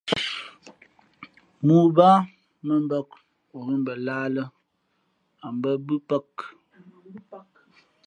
Mōō baā mᾱ mbāk, o ghʉ̂ mbα lahā lᾱ, a bᾱ mbʉ̄pāk.